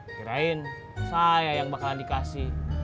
kirain saya yang bakalan dikasih